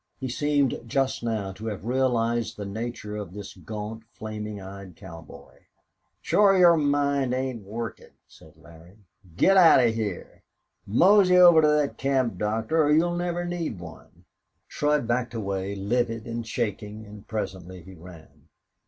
He seemed just now to have realized the nature of this gaunt flaming eyed cowboy. "Shore your mind ain't workin'," said Larry. "Get out of heah. Mozey over to thet camp doctor or you'll never need one." Shurd backed away, livid and shaking, and presently he ran.